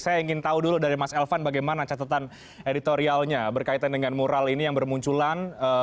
saya ingin tahu dulu dari mas elvan bagaimana catatan editorialnya berkaitan dengan mural ini yang bermunculan